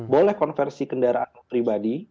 boleh konversi kendaraan pribadi